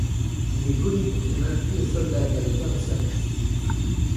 Il est connu pour son appui aux soldats américains en service.